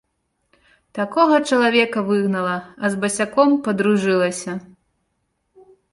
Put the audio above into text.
Такога чалавека выгнала, а з басяком падружылася.